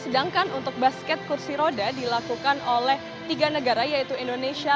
sedangkan untuk basket kursi roda dilakukan oleh tiga negara yaitu indonesia